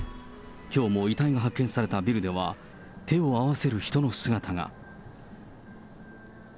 きょうも遺体が発見されたビルでは、手を合わせる人の姿が。